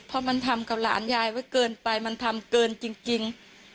เพราะมันทำกับหลานยายไว้เกินไปมันทำเกินจริง